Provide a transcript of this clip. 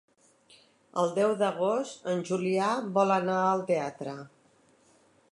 El deu d'agost en Julià vol anar al teatre.